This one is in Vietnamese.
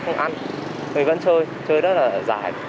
mình vẫn chơi chơi rất là dài